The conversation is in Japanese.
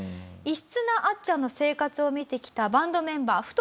異質なあっちゃんの生活を見てきたバンドメンバー。